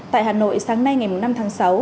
tại hà nội sáng nay ngày năm tháng sáu